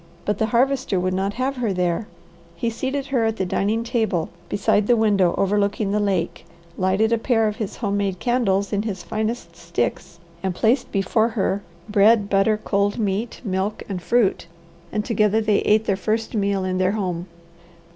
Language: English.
But the Harvester would not have her there. He seated her at the dining table, beside the window overlooking the lake, lighted a pair of his home made candles in his finest sticks, and placed before her bread, butter, cold meat, milk, and fruit, and together they ate their first meal in their home.